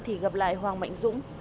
chỉ gặp lại hoàng mạnh dũng